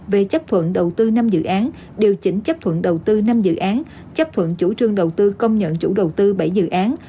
về chấp thuận đầu tư năm dự án điều chỉnh chấp thuận đầu tư năm dự án chấp thuận chủ trương đầu tư công nhận chủ đầu tư bảy dự án